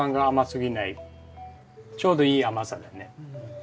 ちょうどいい甘さだね。